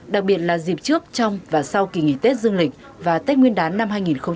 đặc biệt là dịp trước trong và sau kỳ nghỉ tết dương lịch và tết nguyên đán năm hai nghìn hai mươi